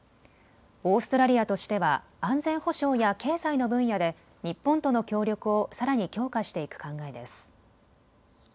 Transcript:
オーストラリアとしては安全保障や経済の分野で日本との協力をさらに強化していく考えです。